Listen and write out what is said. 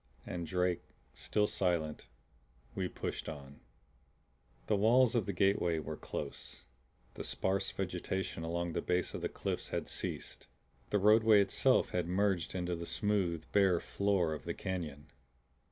And Drake still silent, we pushed on. The walls of the gateway were close. The sparse vegetation along the base of the cliffs had ceased; the roadway itself had merged into the smooth, bare floor of the canyon.